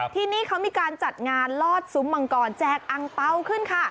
ที่นี่เขามีการจัดงานลอดซุ้มมังกรแจกอังเปล่าขึ้นค่ะ